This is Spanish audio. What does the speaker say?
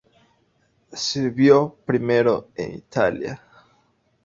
Sirvió primero en Italia.